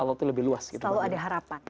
kalau ada harapan